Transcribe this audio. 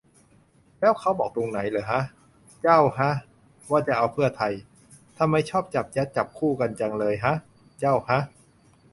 แล้วเขาบอกตรงไหนเหรอฮะ เจ้าฮะ ว่าจะเอาเพื่อไทย ทำไมชอบจับยัดจับคู่กันจังเลยฮะ เจ้าฮะ